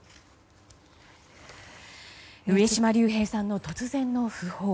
上島竜兵さんの突然の訃報。